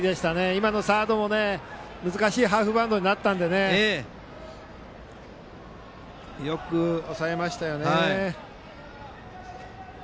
今のサードも難しいハーフバンドになったのでよく抑えましたね。